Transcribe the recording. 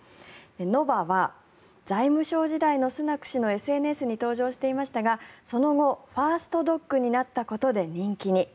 ノヴァは財務相時代のスナク氏のＳＮＳに登場していましたがその後ファーストドッグになったことで人気に。